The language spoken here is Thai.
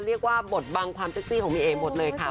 เรียกว่าบทบังความเซ็กซี่ของพี่เอ๋หมดเลยค่ะ